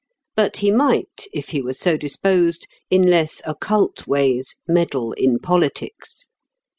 But he might, if he were so disposed, in less occult ways meddle in politics.